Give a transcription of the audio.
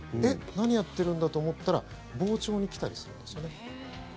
何やってるんだ？と思ったら傍聴に来たりするんです。